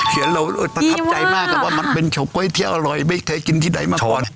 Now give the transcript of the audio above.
เห็นเราประทับใจมากแต่ว่ามันเป็นเฉาก๊วยที่อร่อยไม่เคยกินที่ไหนมาก่อน